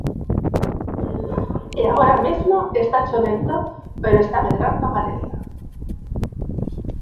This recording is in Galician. E agora mesmo está chovendo pero está medrando a maleza.